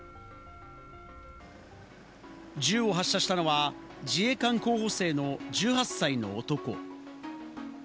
銃を発射したのは自衛官候補生の１８歳の男。